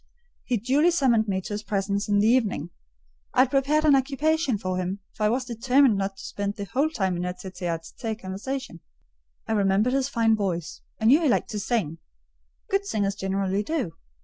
He duly summoned me to his presence in the evening. I had prepared an occupation for him; for I was determined not to spend the whole time in a tête à tête conversation. I remembered his fine voice; I knew he liked to sing—good singers generally do.